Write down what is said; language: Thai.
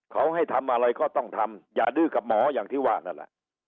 เขาให้ทำอะไรก็ต้องทำอย่าดื้อกับหมออย่างที่ว่านั่นแหละ